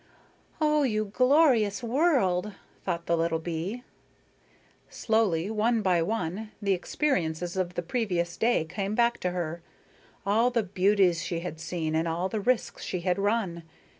"Oh, you glorious world," thought the little bee. Slowly, one by one, the experiences of the previous day came back to her all the beauties she had seen and all the risks she had run.